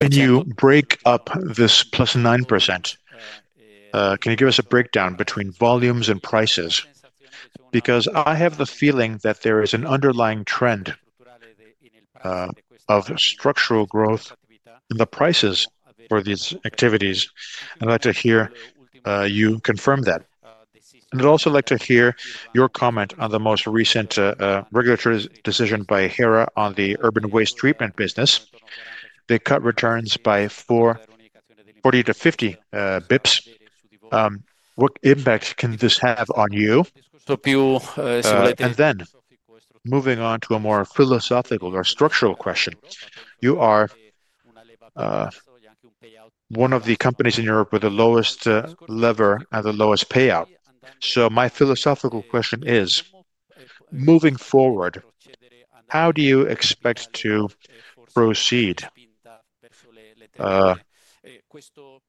Can you break up this plus 9%? Can you give us a breakdown between volumes and prices? Because I have the feeling that there is an underlying trend, of structural growth in the prices for these activities. I'd like to hear you confirm that. I'd also like to hear your comment on the most recent regulatory decision by Hera on the urban waste treatment business. They cut returns by 40 bps-50 bps. What impact can this have on you? Moving on to a more philosophical or structural question. You are one of the companies in Europe with the lowest leverage and the lowest payout. My philosophical question is, moving forward, how do you expect to proceed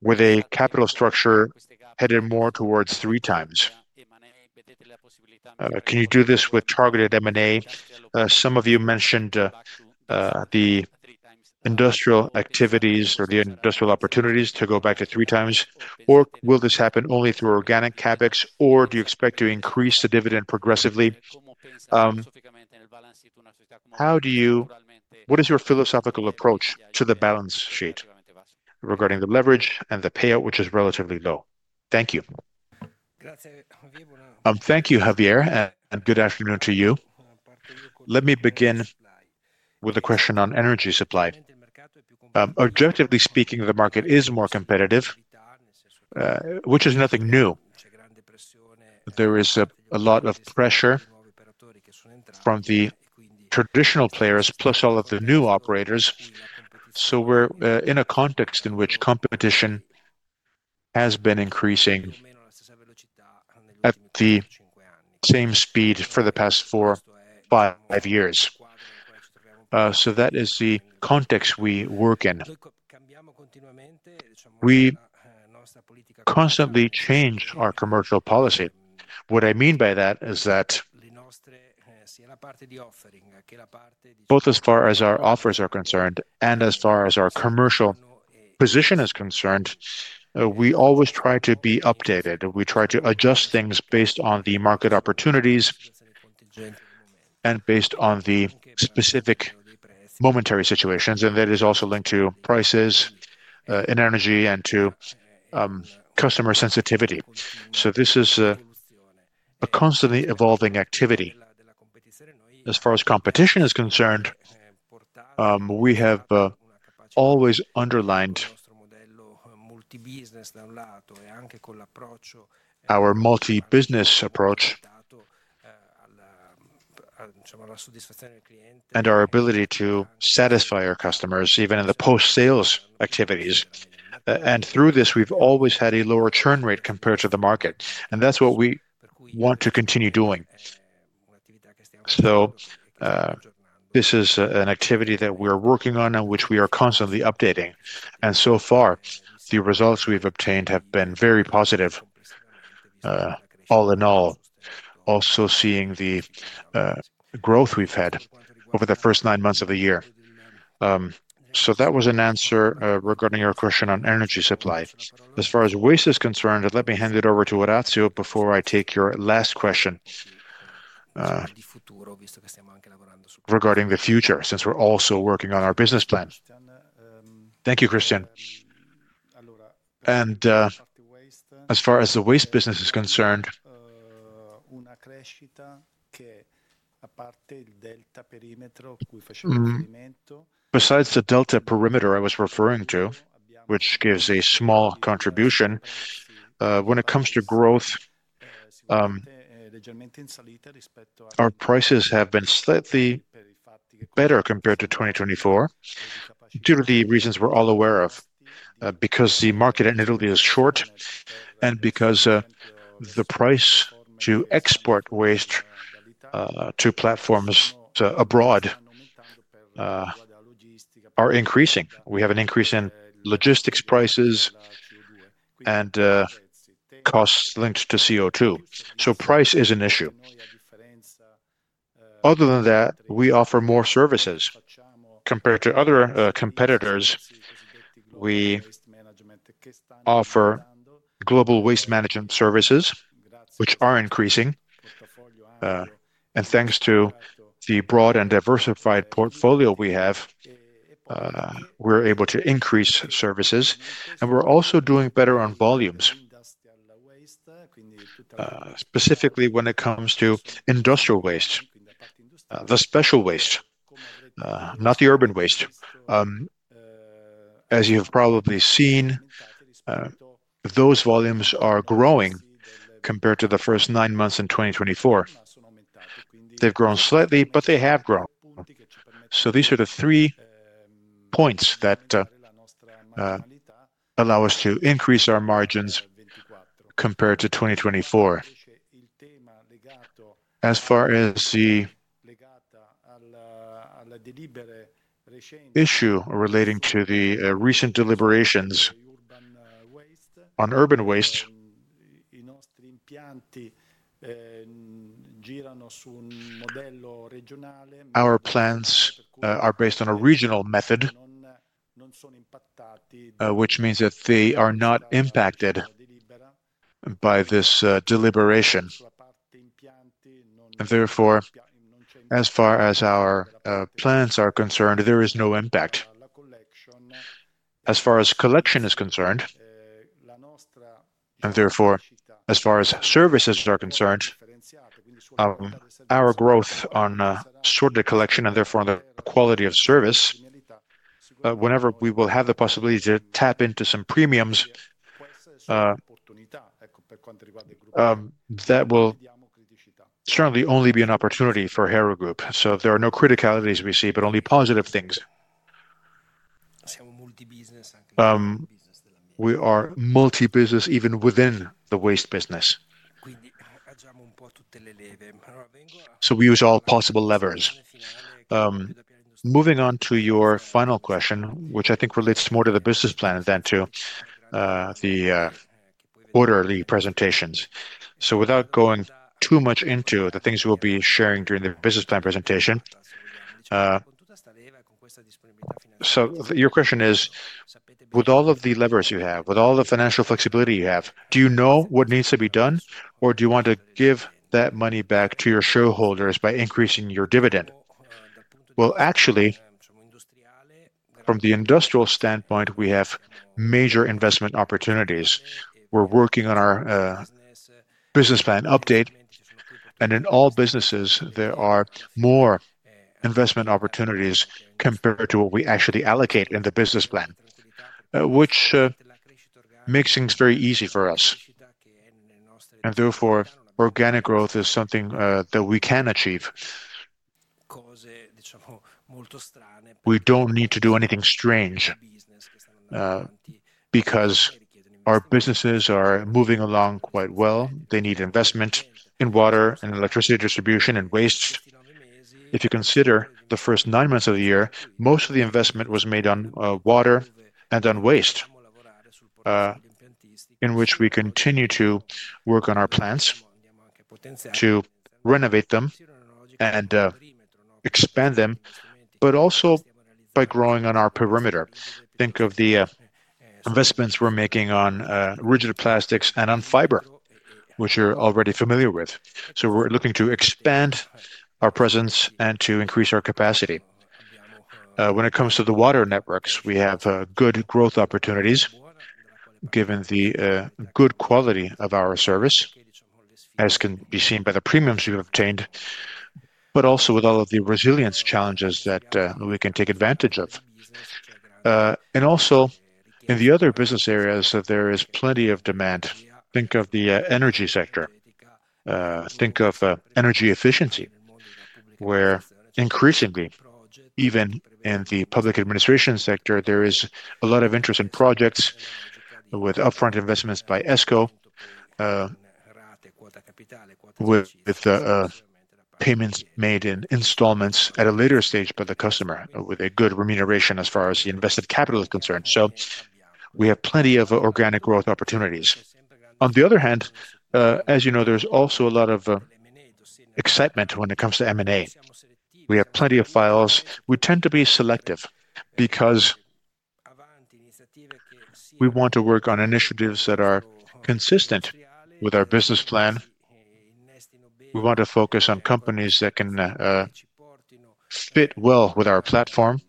with a capital structure headed more towards three times? Can you do this with targeted M&A? Some of you mentioned the industrial activities or the industrial opportunities to go back to three times. Or will this happen only through organic CapEx, or do you expect to increase the dividend progressively? How do you—what is your philosophical approach to the balance sheet regarding the leverage and the payout, which is relatively low? Thank you. Thank you, Javier, and good afternoon to you. Let me begin with a question on energy supply. Objectively speaking, the market is more competitive, which is nothing new. There is a lot of pressure from the traditional players, plus all of the new operators. We are in a context in which competition has been increasing at the same speed for the past four, five years. That is the context we work in. We constantly change our commercial policy. What I mean by that is that both as far as our offers are concerned and as far as our commercial position is concerned, we always try to be updated. We try to adjust things based on the market opportunities and based on the specific momentary situations. That is also linked to prices, in energy and to customer sensitivity. This is a constantly evolving activity. As far as competition is concerned, we have always underlined our multi-business approach and our ability to satisfy our customers, even in the post-sales activities. Through this, we've always had a lower churn rate compared to the market. That's what we want to continue doing. This is an activity that we are working on and which we are constantly updating. So far, the results we've obtained have been very positive, all in all. Also seeing the growth we've had over the first nine months of the year. That was an answer regarding your question on energy supply. As far as waste is concerned, let me hand it over to Orazio before I take your last question regarding the future, since we're also working on our business plan. Thank you, Christian. As far as the waste business is concerned, besides the Delta perimeter I was referring to, which gives a small contribution when it comes to growth, our prices have been slightly better compared to 2024 due to the reasons we're all aware of, because the market in Italy is short and because the price to export waste to platforms abroad is increasing. We have an increase in logistics prices and costs linked to CO2. Price is an issue. Other than that, we offer more services compared to other competitors. We offer global waste management services, which are increasing. Thanks to the broad and diversified portfolio we have, we're able to increase services. We're also doing better on volumes, specifically when it comes to industrial waste, the special waste, not the urban waste. As you've probably seen, those volumes are growing compared to the first nine months in 2024. They've grown slightly, but they have grown. These are the three points that allow us to increase our margins compared to 2024. As far as the issue relating to the recent deliberations on urban waste, our plans are based on a regional method, which means that they are not impacted by this deliberation. Therefore, as far as our plans are concerned, there is no impact. As far as collection is concerned, and therefore, as far as services are concerned, our growth on sort of the collection and therefore the quality of service, whenever we will have the possibility to tap into some premiums, that will certainly only be an opportunity for Hera Group. There are no criticalities we see, but only positive things. We are multi-business even within the waste business. We use all possible levers. Moving on to your final question, which I think relates more to the business plan than to the orderly presentations. Without going too much into the things we'll be sharing during the business plan presentation, your question is, with all of the levers you have, with all the financial flexibility you have, do you know what needs to be done, or do you want to give that money back to your shareholders by increasing your dividend? Actually, from the industrial standpoint, we have major investment opportunities. We're working on our business plan update, and in all businesses, there are more investment opportunities compared to what we actually allocate in the business plan, which makes things very easy for us. Therefore, organic growth is something that we can achieve. We don't need to do anything strange, because our businesses are moving along quite well. They need investment in water and electricity distribution and waste. If you consider the first nine months of the year, most of the investment was made on water and on waste, in which we continue to work on our plants to renovate them and expand them, but also by growing on our perimeter. Think of the investments we're making on rigid plastics and on fiber, which you're already familiar with. We are looking to expand our presence and to increase our capacity. When it comes to the water networks, we have good growth opportunities given the good quality of our service, as can be seen by the premiums we've obtained, but also with all of the resilience challenges that we can take advantage of. Also, in the other business areas, there is plenty of demand. Think of the energy sector. Think of energy efficiency, where increasingly, even in the public administration sector, there is a lot of interest in projects with upfront investments by ESCO, with payments made in installments at a later stage by the customer, with a good remuneration as far as the invested capital is concerned. We have plenty of organic growth opportunities. On the other hand, as you know, there is also a lot of excitement when it comes to M&A. We have plenty of files. We tend to be selective because we want to work on initiatives that are consistent with our business plan. We want to focus on companies that can fit well with our platform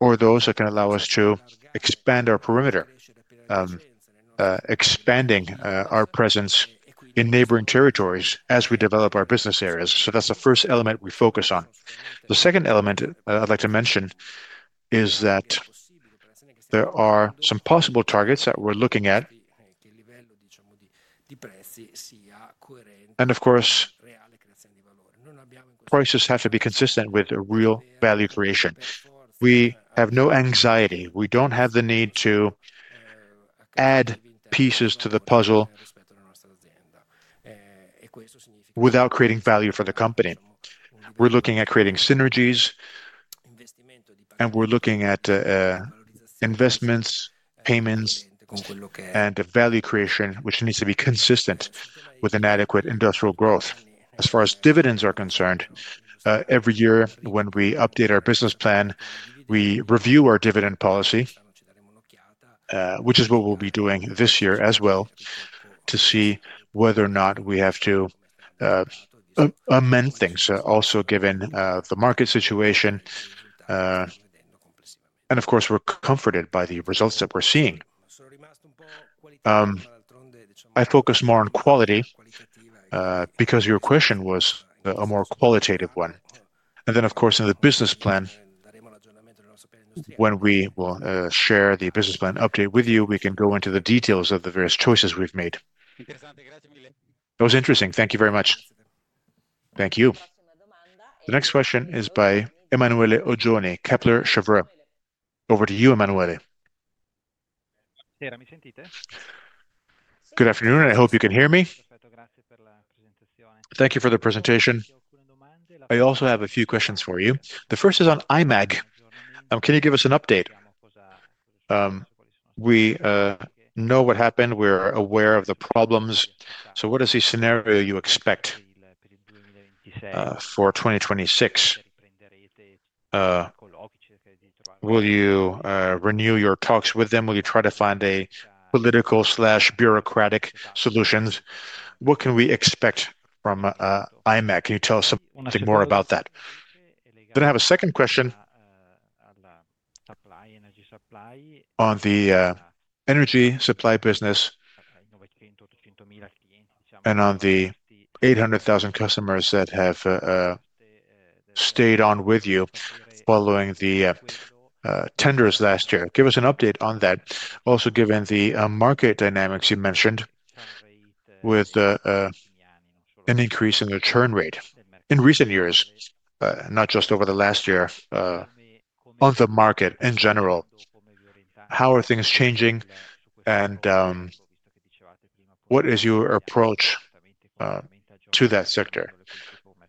or those that can allow us to expand our perimeter, expanding our presence in neighboring territories as we develop our business areas. That is the first element we focus on. The second element I'd like to mention is that there are some possible targets that we're looking at. Of course, prices have to be consistent with real value creation. We have no anxiety. We don't have the need to add pieces to the puzzle without creating value for the company. We're looking at creating synergies, and we're looking at investments, payments, and value creation, which needs to be consistent with an adequate industrial growth. As far as dividends are concerned, every year when we update our business plan, we review our dividend policy, which is what we'll be doing this year as well to see whether or not we have to amend things, also given the market situation. Of course, we're comforted by the results that we're seeing. I focus more on quality, because your question was a more qualitative one. Of course, in the business plan, when we will share the business plan update with you, we can go into the details of the various choices we've made. That was interesting. Thank you very much. Thank you. The next question is by Emanuele Oggioni, Kepler Cheuvreux. Over to you, Emanuele. Good afternoon. I hope you can hear me. Thank you for the presentation. I also have a few questions for you. The first is on IMAG. Can you give us an update? We know what happened. We're aware of the problems. What is the scenario you expect for 2026? Will you renew your talks with them? Will you try to find a political slash bureaucratic solution? What can we expect from IMAG? Can you tell us something more about that? I have a second question on the energy supply business and on the 800,000 customers that have stayed on with you following the tenders last year. Give us an update on that. Also, given the market dynamics you mentioned with an increase in the churn rate in recent years, not just over the last year, on the market in general, how are things changing and what is your approach to that sector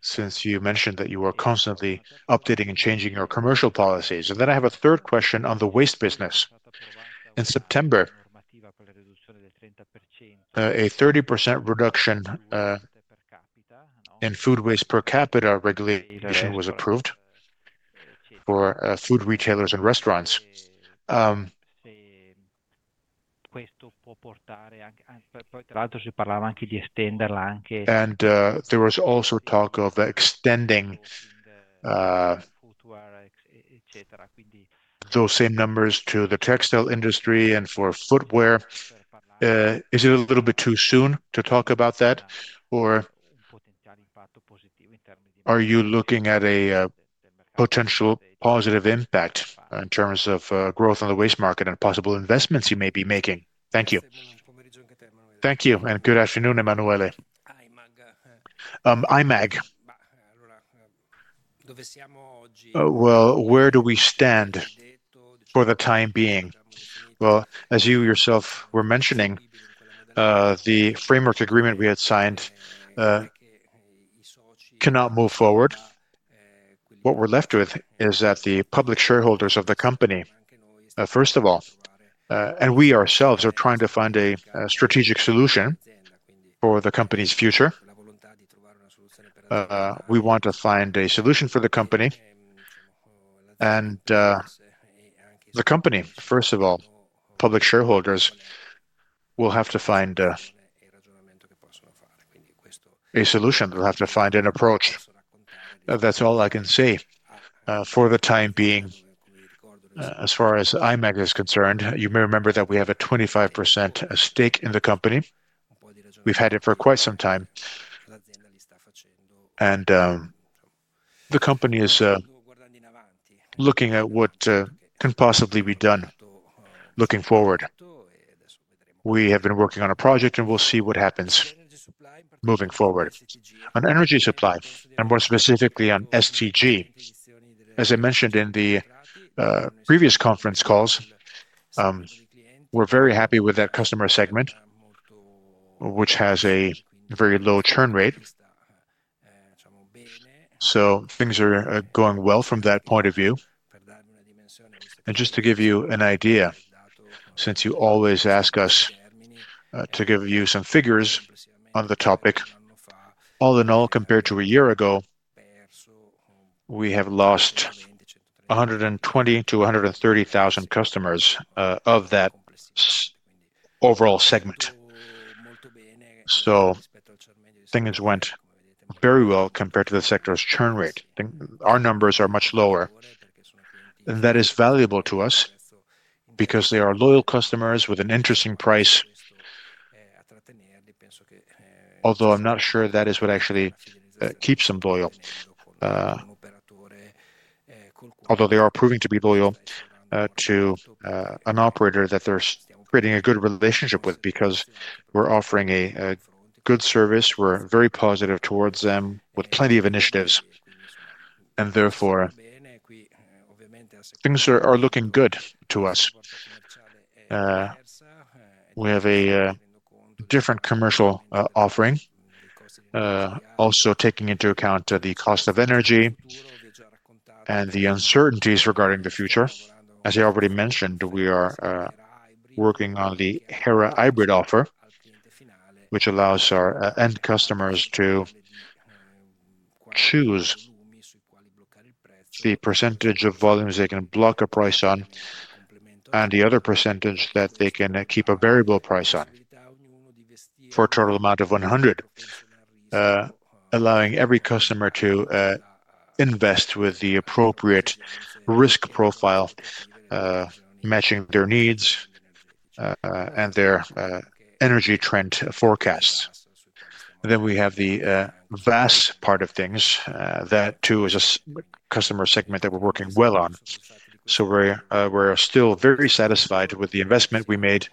since you mentioned that you were constantly updating and changing your commercial policies? I have a third question on the waste business. In September, a 30% reduction in food waste per capita regulation was approved for food retailers and restaurants. There was also talk of extending those same numbers to the textile industry and for footwear. Is it a little bit too soon to talk about that, or are you looking at a potential positive impact in terms of growth on the waste market and possible investments you may be making? Thank you. Thank you. Good afternoon, Emanuele. IMAG. Where do we stand for the time being? As you yourself were mentioning, the framework agreement we had signed cannot move forward. What we are left with is that the public shareholders of the company, first of all, and we ourselves are trying to find a strategic solution for the company's future. We want to find a solution for the company and the company, first of all, public shareholders will have to find a solution. They will have to find an approach. That is all I can say for the time being. As far as IMAG is concerned, you may remember that we have a 25% stake in the company. We've had it for quite some time. The company is looking at what can possibly be done looking forward. We have been working on a project and we'll see what happens moving forward on energy supply and more specifically on STG. As I mentioned in the previous conference calls, we're very happy with that customer segment, which has a very low churn rate. Things are going well from that point of view. Just to give you an idea, since you always ask us to give you some figures on the topic, all in all, compared to a year ago, we have lost 120,000-130,000 customers of that overall segment. Things went very well compared to the sector's churn rate. Our numbers are much lower. That is valuable to us because they are loyal customers with an interesting price, although I'm not sure that is what actually keeps them loyal. Although they are proving to be loyal to an operator that they're creating a good relationship with because we're offering a good service. We're very positive towards them with plenty of initiatives. Therefore, things are looking good to us. We have a different commercial offering, also taking into account the cost of energy and the uncertainties regarding the future. As I already mentioned, we are working on the Hera Hybrid offer, which allows our end customers to choose the percentage of volumes they can block a price on and the other percentage that they can keep a variable price on for a total amount of 100%, allowing every customer to invest with the appropriate risk profile, matching their needs and their energy trend forecasts. We have the vast part of things, that too is a customer segment that we're working well on. We're still very satisfied with the investment we made.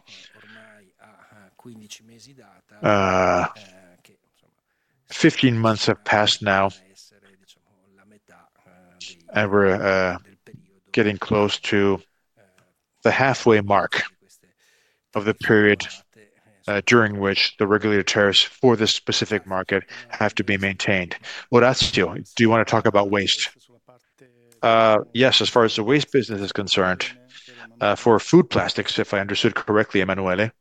Fifteen months have passed now, and we're getting close to the halfway mark of the period during which the regulatory tariffs for this specific market have to be maintained. Orazio, do you want to talk about waste? Yes, as far as the waste business is concerned, for food plastics, if I understood correctly, Emanuele.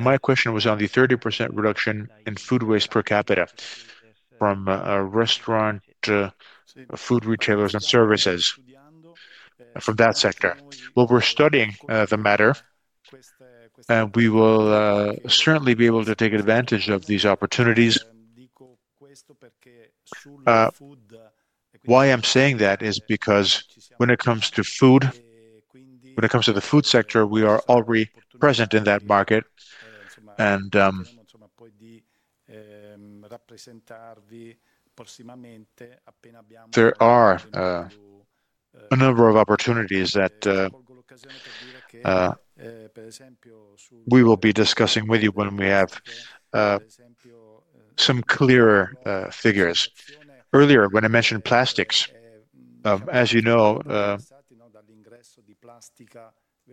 My question was on the 30% reduction in food waste per capita from restaurant, food retailers, and services, from that sector. We're studying the matter, and we will certainly be able to take advantage of these opportunities. I'm saying that because when it comes to food, when it comes to the food sector, we are already present in that market. There are a number of opportunities that we will be discussing with you when we have some clearer figures. Earlier, when I mentioned plastics, as you know,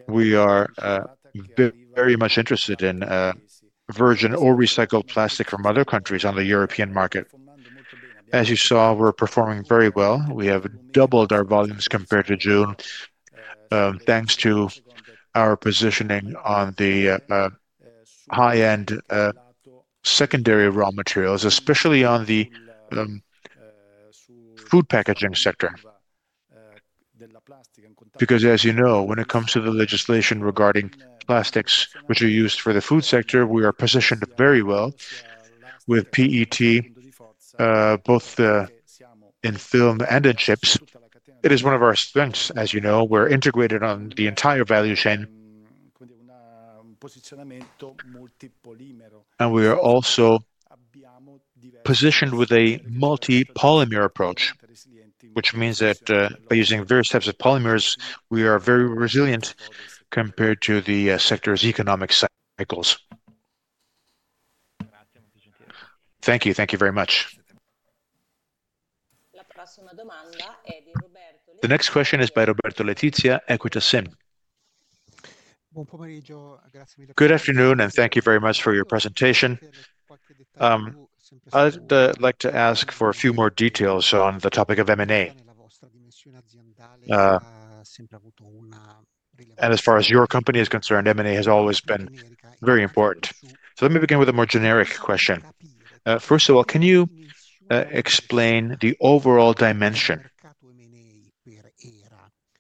we are very much interested in virgin or recycled plastic from other countries on the European market. As you saw, we are performing very well. We have doubled our volumes compared to June, thanks to our positioning on the high-end secondary raw materials, especially in the food packaging sector. Because, as you know, when it comes to the legislation regarding plastics, which are used for the food sector, we are positioned very well with PET, both in film and in chips. It is one of our strengths, as you know. We're integrated on the entire value chain, and we are also positioned with a multi-polymer approach, which means that by using various types of polymers, we are very resilient compared to the sector's economic cycles. Thank you. Thank you very much. The next question is by Roberto Letizia, Equita SIM. Good afternoon, and thank you very much for your presentation. I'd like to ask for a few more details on the topic of M&A. As far as your company is concerned, M&A has always been very important. Let me begin with a more generic question. First of all, can you explain the overall dimension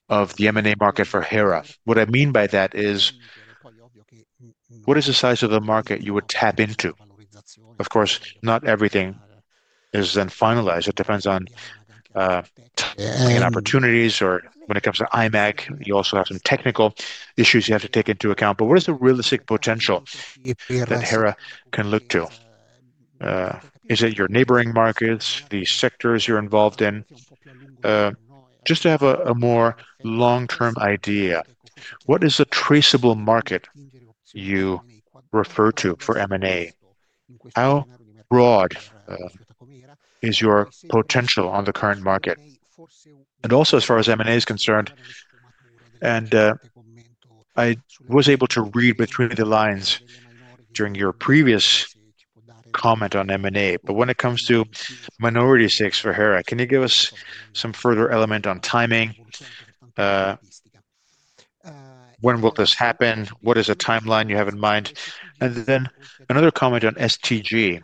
of the M&A market for Hera? What I mean by that is, what is the size of the market you would tap into? Of course, not everything is then finalized. It depends on opportunities or when it comes to IMAG, you also have some technical issues you have to take into account. What is the realistic potential that Hera can look to? Is it your neighboring markets, the sectors you're involved in? Just to have a more long-term idea, what is the traceable market you refer to for M&A? How broad is your potential on the current market? Also, as far as M&A is concerned, I was able to read between the lines during your previous comment on M&A, but when it comes to minority stakes for Hera, can you give us some further element on timing? When will this happen? What is the timeline you have in mind? Another comment on STG.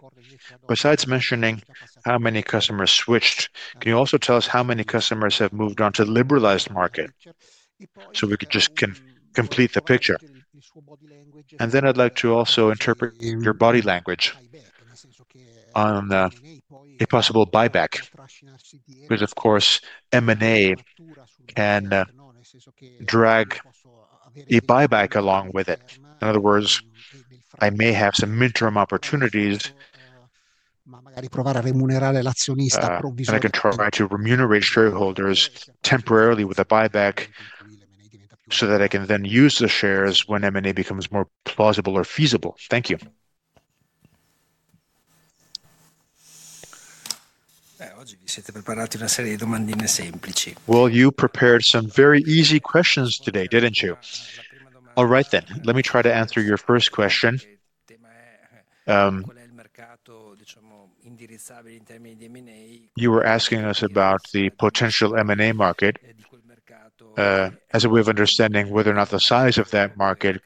Besides mentioning how many customers switched, can you also tell us how many customers have moved on to the liberalized market? We could just complete the picture. And then I'd like to also interpret your body language on a possible buyback, because of course, M&A can drag a buyback along with it. In other words, I may have some midterm opportunities. And I can try to remunerate shareholders temporarily with a buyback so that I can then use the shares when M&A becomes more plausible or feasible? Thank you. You prepared some very easy questions today, did not you? All right then, let me try to answer your first question. You were asking us about the potential M&A market, as we have understanding whether or not the size of that market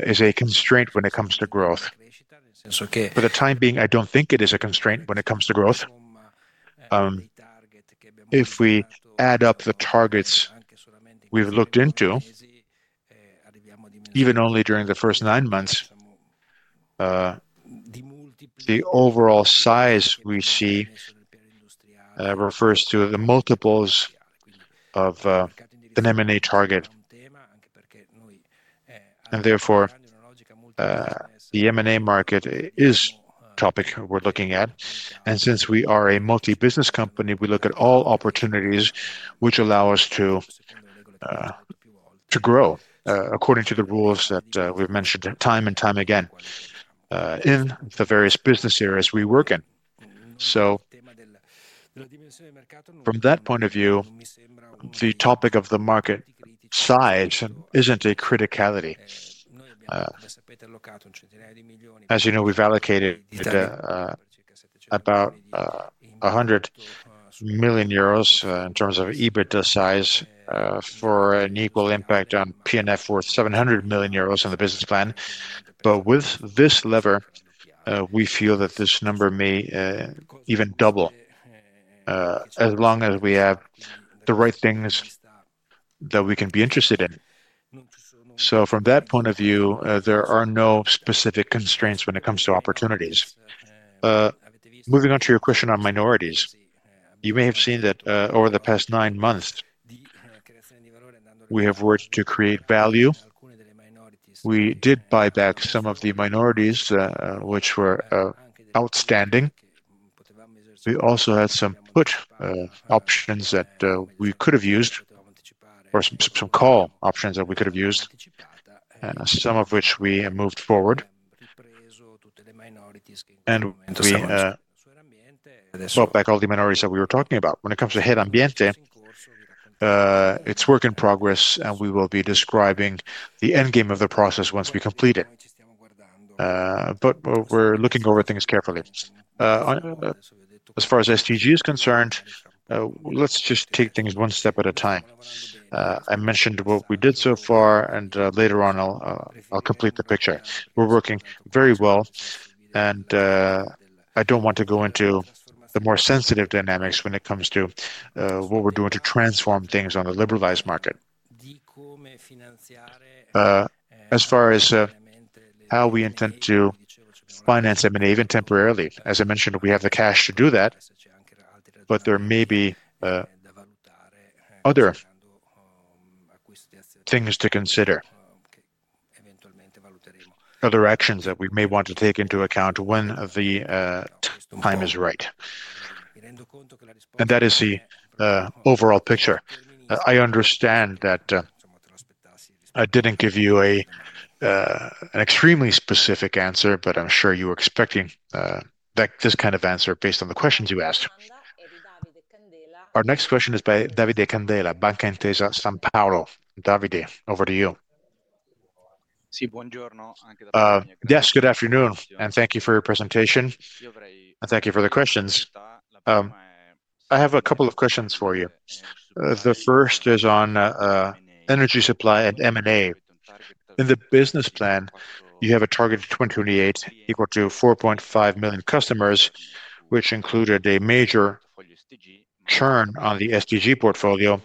is a constraint when it comes to growth. For the time being, I do not think it is a constraint when it comes to growth. If we add up the targets we've looked into, even only during the first nine months, the overall size we see refers to the multiples of an M&A target. Therefore, the M&A market is the topic we're looking at. Since we are a multi-business company, we look at all opportunities which allow us to grow according to the rules that we've mentioned time and time again in the various business areas we work in. From that point of view, the topic of the market size isn't a criticality. As you know, we've allocated about 100 million euros in terms of EBITDA size, for an equal impact on P&F worth 700 million euros in the business plan. With this lever, we feel that this number may even double, as long as we have the right things that we can be interested in. From that point of view, there are no specific constraints when it comes to opportunities. Moving on to your question on minorities, you may have seen that, over the past nine months, we have worked to create value. We did buy back some of the minorities, which were outstanding. We also had some put options that we could have used or some call options that we could have used, some of which we moved forward. We brought back all the minorities that we were talking about. When it comes to Hera Ambiente, it's work in progress and we will be describing the end game of the process once we complete it. We are looking over things carefully. As far as STG is concerned, let's just take things one step at a time. I mentioned what we did so far and, later on, I'll complete the picture. We're working very well and, I don't want to go into the more sensitive dynamics when it comes to what we're doing to transform things on the liberalized market. As far as how we intend to finance M&A even temporarily, as I mentioned, we have the cash to do that, but there may be other things to consider, other actions that we may want to take into account when the time is right. That is the overall picture. I understand that I didn't give you an extremely specific answer, but I'm sure you were expecting this kind of answer based on the questions you asked. Our next question is by Davide Candela, Banca Intesa Sanpaolo. Davide, over to you. Yes, good afternoon and thank you for your presentation and thank you for the questions. I have a couple of questions for you. The first is on energy supply and M&A. In the business plan, you have a target of 2028 equal to 4.5 million customers, which included a major churn on the STG portfolio,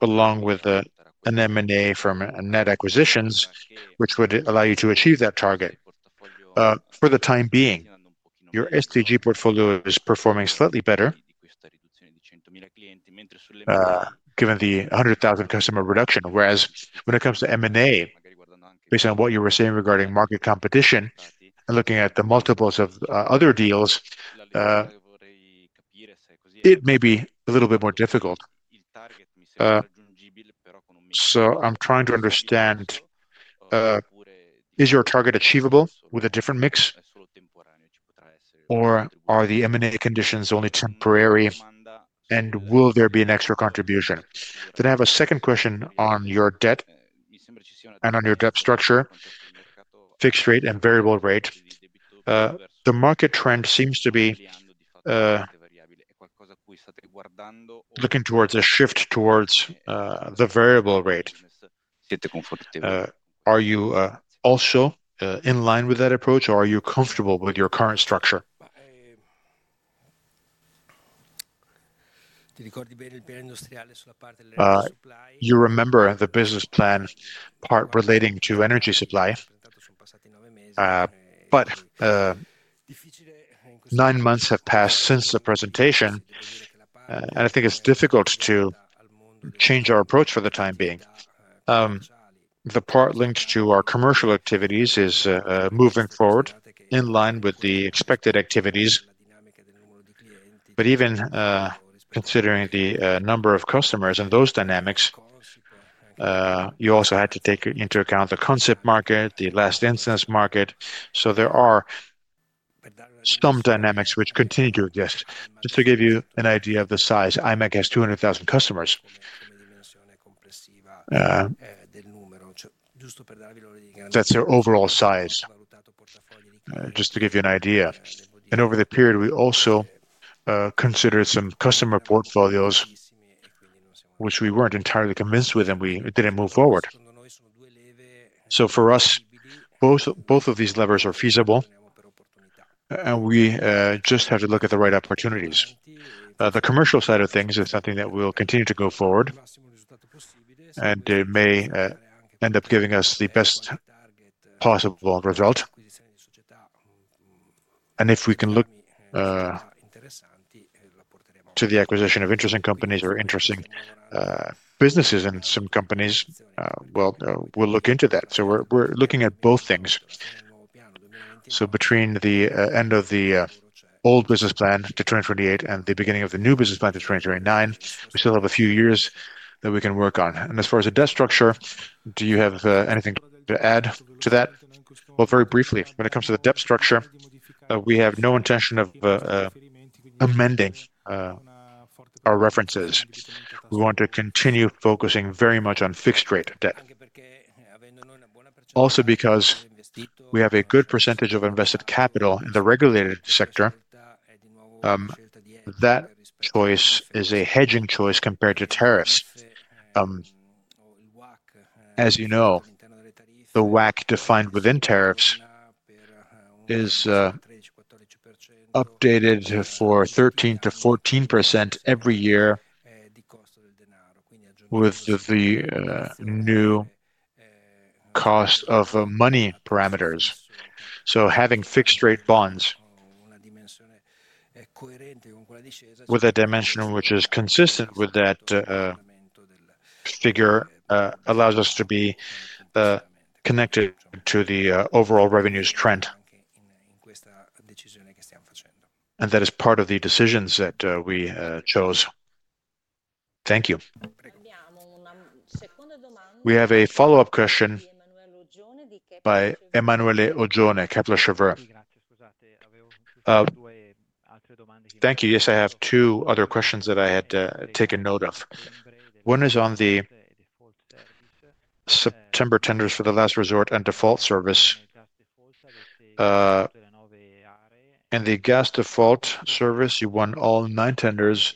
along with an M&A from net acquisitions, which would allow you to achieve that target. For the time being, your STG portfolio is performing slightly better, given the 100,000 customer reduction. Whereas when it comes to M&A, based on what you were saying regarding market competition and looking at the multiples of other deals, it may be a little bit more difficult. I am trying to understand, is your target achievable with a different mix or are the M&A conditions only temporary and will there be an extra contribution? I have a second question on your debt and on your debt structure, fixed rate and variable rate. The market trend seems to be looking towards a shift towards the variable rate. Are you also in line with that approach or are you comfortable with your current structure? You remember the business plan part relating to energy supply, but nine months have passed since the presentation, and I think it's difficult to change our approach for the time being. The part linked to our commercial activities is moving forward in line with the expected activities. Even considering the number of customers and those dynamics, you also had to take into account the concept market, the last instance market. There are some dynamics which continue to exist. Just to give you an idea of the size, IMAG has 200,000 customers. That's their overall size, just to give you an idea. Over the period, we also considered some customer portfolios, which we were not entirely convinced with and we did not move forward. For us, both of these levers are feasible and we just had to look at the right opportunities. The commercial side of things is something that we will continue to go forward and it may end up giving us the best possible result. If we can look to the acquisition of interesting companies or interesting businesses and some companies, we will look into that. We are looking at both things. Between the end of the old business plan to 2028 and the beginning of the new business plan to 2029, we still have a few years that we can work on. As far as the debt structure, do you have anything to add to that? Very briefly, when it comes to the debt structure, we have no intention of amending our references. We want to continue focusing very much on fixed rate debt. Also, because we have a good percentage of invested capital in the regulated sector, that choice is a hedging choice compared to tariffs. As you know, the WACC defined within tariffs is updated for 13%-14% every year with the new cost of money parameters. Having fixed rate bonds with a dimension which is consistent with that figure allows us to be connected to the overall revenues trend. That is part of the decisions that we chose. Thank you. We have a follow-up question by Emanuele Oggioni, Kepler Cheuvreux. Thank you. Yes, I have two other questions that I had taken note of. One is on the September tenders for the last resort and default service. In the gas default service, you won all nine tenders,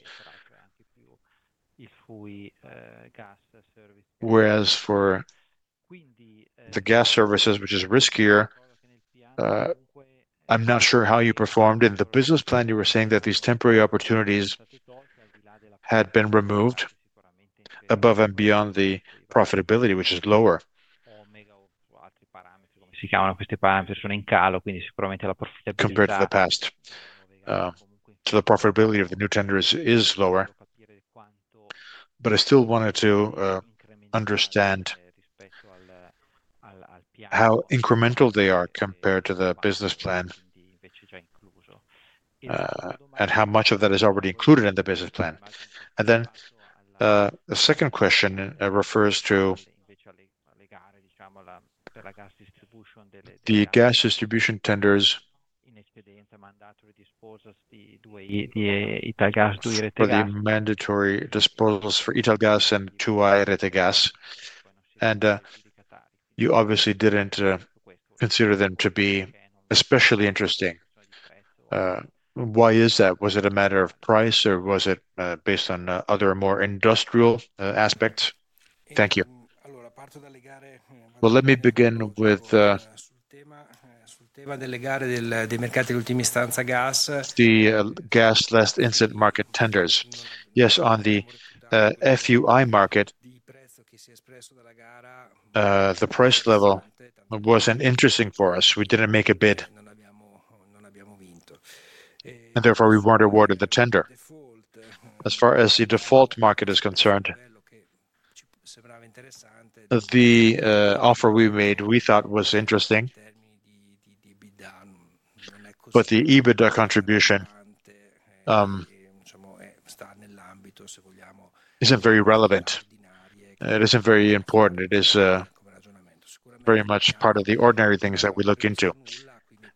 whereas for the gas services, which is riskier, I'm not sure how you performed. In the business plan, you were saying that these temporary opportunities had been removed above and beyond the profitability, which is lower compared to the past, so the profitability of the new tenders is lower, but I still wanted to understand how incremental they are compared to the business plan and how much of that is already included in the business plan. The second question refers to the gas distribution tenders, for the mandatory disposals for Ethel Gas and Italgas Rete Gas. You obviously did not consider them to be especially interesting. Why is that? Was it a matter of price or was it based on other more industrial aspects? Thank you. Let me begin with the gas last instant market tenders. Yes, on the FUI market, the price level was not interesting for us. We did not make a bid. Therefore, we were not awarded the tender. As far as the default market is concerned, the offer we made, we thought was interesting, but the EBITDA contribution is not very relevant. It is not very important. It is very much part of the ordinary things that we look into.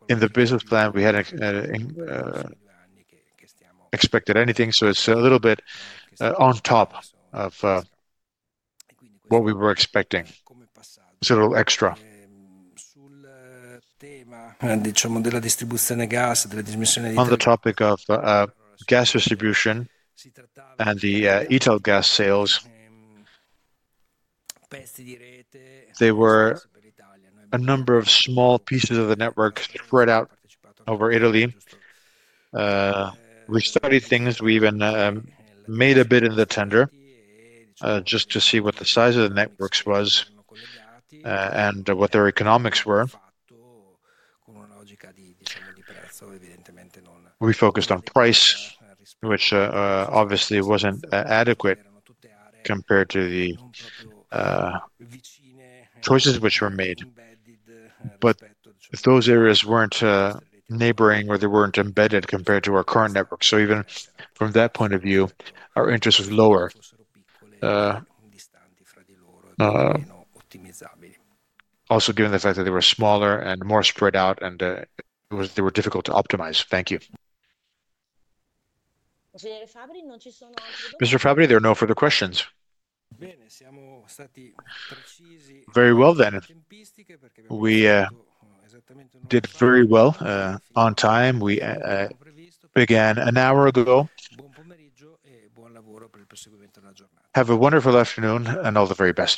In the business plan, we had not expected anything, so it is a little bit on top of what we were expecting. It is a little extra. On the topic of gas distribution and the Ethel Gas sales, there were a number of small pieces of the network spread out over Italy. We studied things, we even made a bid in the tender just to see what the size of the networks was, and what their economics were. We focused on price, which, obviously, was not adequate compared to the choices which were made. Those areas were not neighboring or they were not embedded compared to our current network. Even from that point of view, our interest was lower, also given the fact that they were smaller and more spread out and they were difficult to optimize. Thank you. Mr. Fabri, there are no further questions. Very well then. We did very well on time. We began an hour ago. Have a wonderful afternoon and all the very best.